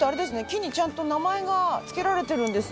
木にちゃんと名前が付けられているんですね。